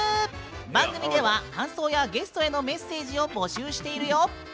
番組では感想やゲストへのメッセージを募集しているよ！